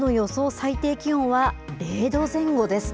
最低気温は０度前後です。